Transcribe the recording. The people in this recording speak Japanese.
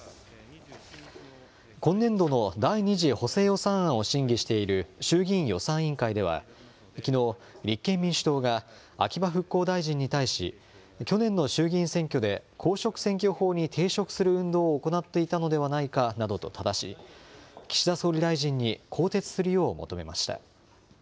今年度の第２次補正予算案を審議している衆議院予算委員会では、きのう、立憲民主党が秋葉復興大臣に対し、去年の衆議院選挙で公職選挙法に抵触する運動を行っていたのではないかなどとただし、岸田総理大臣に更迭するよう求めました。